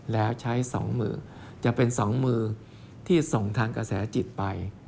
แล้วใช้๒มือจะเป็น๒มือที่ส่งทางกระแสจิตไป